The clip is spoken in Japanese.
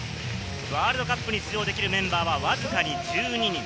ワールドカップに出場できるメンバーはわずか２２人。